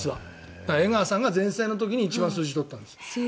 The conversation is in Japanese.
江川さんが全盛の時に一番数字を取ったんです。